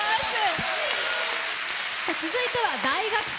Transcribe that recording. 続いては大学生。